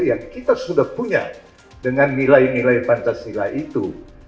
yang kita sudah punya dengan nilai nilai pancasila itu